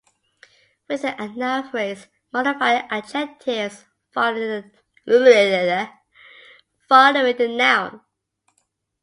Within a noun phrase, modifying adjectives follow the noun.